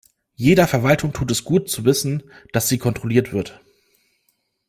Jeder Verwaltung tut es gut zu wissen, dass sie kontrolliert wird.